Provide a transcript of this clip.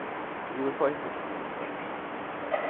Are you acquainted with my friends?